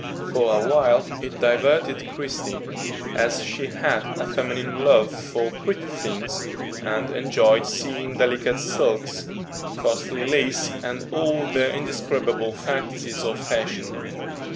For a while it diverted Christie, as she had a feminine love for pretty things, and enjoyed seeing delicate silks, costly lace, and all the indescribable fantasies of fashion.